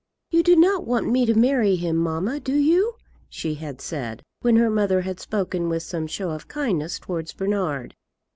"You do not want me to marry him, mamma; do you?" she had said, when her mother had spoken with some show of kindness towards Bernard.